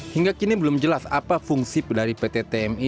hingga kini belum jelas apa fungsi dari pt tmi